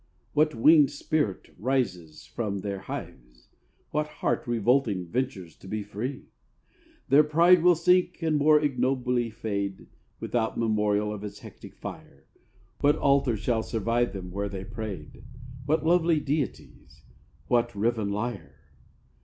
What winged spirit rises from their hives? What heart, revolting, ventures to be free? Their pride will sink and more ignobly fade Without memorial of its hectic fire. What altars shall survive them, where they prayed? What lovely deities? What riven lyre?